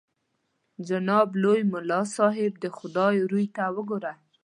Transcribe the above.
جناب لوی ملا صاحب د خدای روی ته وګوره.